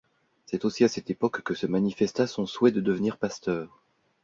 C’est aussi à cette époque que se manifesta son souhait de devenir pasteur.